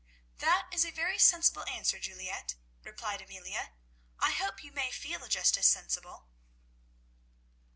"That is a very sensible answer, Juliette," replied Amelia, "I hope you may feel just as sensible."